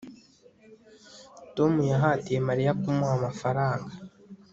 tom yahatiye mariya kumuha amafaranga